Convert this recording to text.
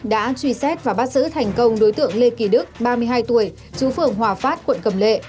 đã truy xét và bắt giữ thành công đối tượng lê kỳ đức ba mươi hai tuổi chú phường hòa phát quận cầm lệ